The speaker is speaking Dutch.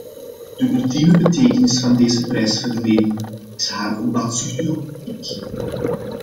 De ultieme betekenis van deze prijsverlening is haar onbaatzuchtige optiek.